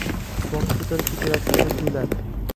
Stolini ko‘tarib ketayotganday tuyuladi.